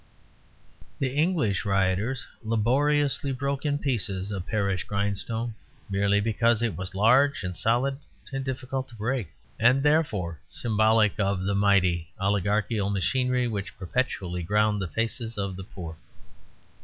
The English rioters laboriously broke in pieces a parish grindstone, merely because it was large and solid and difficult to break, and therefore symbolic of the mighty oligarchical machinery which perpetually ground the faces of the poor.